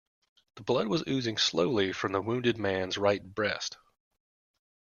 Blood was oozing slowly from the wounded man's right breast.